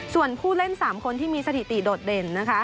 ส่วนผู้เล่น๓คนที่มีสถิติโดดเด่นนะคะ